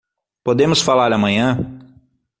Podemos falar amanhã?